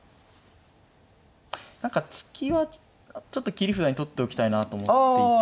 何か突きはちょっと切り札に取っておきたいなと思っていて。